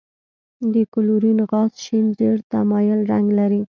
د کلورین غاز شین زیړ ته مایل رنګ لري.